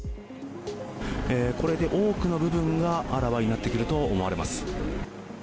これで多くの部分があらわになってくると思われます。